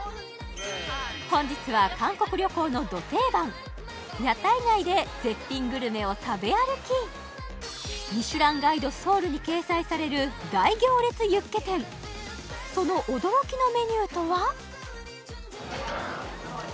本日は韓国旅行のど定番屋台街で絶品グルメを食べ歩き「ミシュランガイドソウル」に掲載される大行列ユッケ店その驚きのメニューとは？